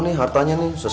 udah kayak challenges